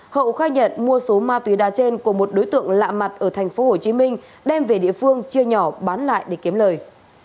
hậu khai nhận mua số ma túy đá trên của một đối tượng lạ mặt ở tp hcm đem về địa phương chia nhỏ bán lại để kiếm lời